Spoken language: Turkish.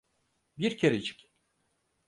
Bir kerecik.